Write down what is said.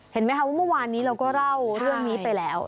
เห็นไหมคะว่าเมื่อวานนี้เราก็เล่าเรื่องนี้ไปแล้ว